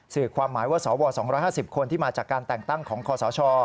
สื่อความหมายว่าสว๒๕๐คนที่มาจากการแต่งตั้งของคอสช